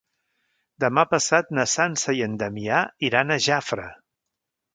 Demà passat na Sança i en Damià iran a Jafre.